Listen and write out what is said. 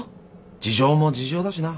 事情も事情だしな。